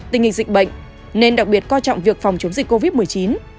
tình hình dịch bệnh nên đặc biệt coi trọng việc phòng chống dịch covid một mươi chín